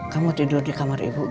kamu tidur di kamar ibu